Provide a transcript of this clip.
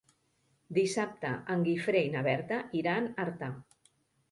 Dissabte en Guifré i na Berta iran a Artà.